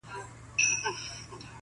• له پېړیو د نړۍ کاروان تیریږي -